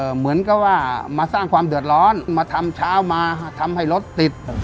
เหมือนกับว่ามาสร้างความเดือดร้อนมาทำเช้ามาทำให้รถติด